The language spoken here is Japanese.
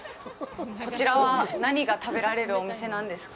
こちらは何が食べられるお店なんですか。